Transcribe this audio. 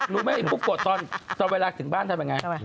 รู้มั้ยปุ๊บโกรธเวลาจะถึงบ้านทำอย่างไร